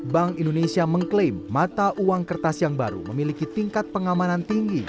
bank indonesia mengklaim mata uang kertas yang baru memiliki tingkat pengamanan tinggi